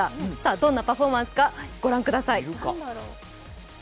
どんなパフォーマンスかご覧ください。